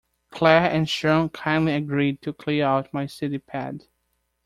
Claire and Sean kindly agreed to clear out my city pad.